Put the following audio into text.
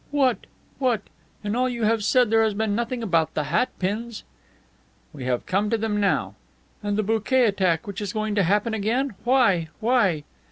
"What? What? In all you have said there has been nothing about the hat pins." "We have come to them now." "And the bouquet attack, which is going to happen again? Why? Why?"